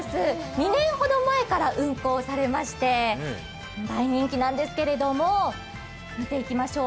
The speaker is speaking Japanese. ２年ほど前から運航されまして大人気なんですけれども、見ていきましょう。